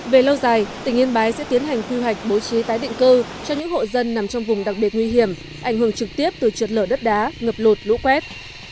về lâu dài tỉnh yên bái sẽ tiến hành quy hoạch bố trí tái định cư cho những hộ dân nằm trong vùng đặc biệt nguy hiểm ảnh hưởng trực tiếp từ trượt lở đất đá ngập lụt lũ quét